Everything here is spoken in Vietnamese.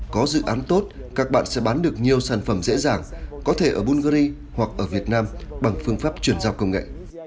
có dự án tốt các bạn sẽ bán được nhiều sản phẩm dễ dàng có thể ở bungary hoặc ở việt nam bằng phương pháp chuyển giao công nghệ